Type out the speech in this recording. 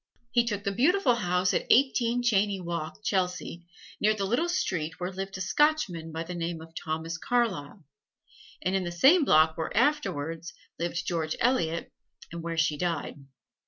He took the beautiful house at Eighteen Cheyne Walk, Chelsea, near the little street where lived a Scotchman by the name of Thomas Carlyle, and in the same block where afterwards lived George Eliot, and where she died.